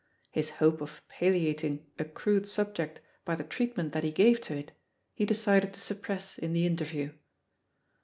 His hope of palliating a crude subject by the treatment that he gave to it, he decided to suppress in the interview.